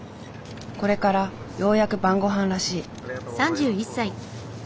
これからようやく晩ごはんらしい。